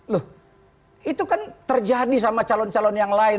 loh itu kan terjadi sama calon calon yang lain